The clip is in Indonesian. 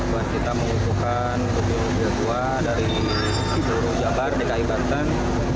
buat kita mengutukan beberapa jadwal dari jadwal jadwal dki banten